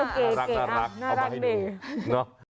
น่ารักเอามาให้ดู